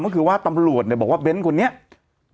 ก็คือว่าตำรวจเนี่ยบอกว่าเบ้นคนนี้